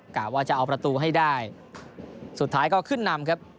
กะว่าจะเอาประตูให้ได้สุดท้ายก็ขึ้นนำครับ